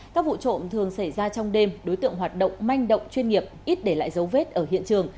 các vụ trộm thường xảy ra trong đêm đối tượng hoạt động manh động chuyên nghiệp ít để lại dấu vết ở hiện trường